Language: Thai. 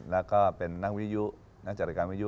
แล้วก็เป็นนักวิยุนักจัดรายการวิยุ